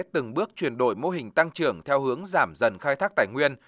từng bước chuyển đổi mô hình tăng trưởng theo hướng giảm dần khai thác tài nguyên